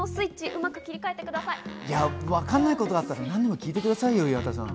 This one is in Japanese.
わかんないことがあったら何でも聞いてくださいよ、岩田さん！